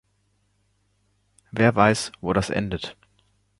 Wer weiß, wo das endet?